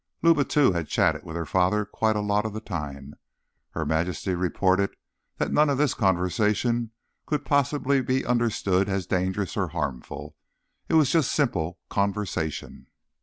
Luba, too, had chatted with her father quite a lot of the time. Her Majesty reported that none of this conversation could possibly be understood as dangerous or harmful. It was just simple conversation.